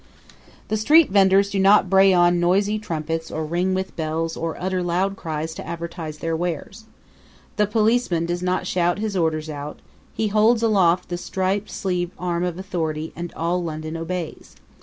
The street venders do not bray on noisy trumpets or ring with bells or utter loud cries to advertise their wares. The policeman does not shout his orders out; he holds aloft the stripe sleeved arm of authority and all London obeys.